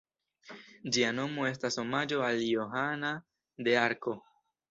Ĝia nomo estas omaĝo al Johana de Arko.